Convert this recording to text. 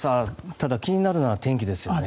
ただ気になるのは天気ですよね。